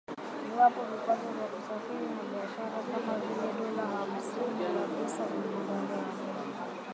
iwapo vikwazo vya kusafiri na biashara kama vile dola hamsini ya visa vimeondolewa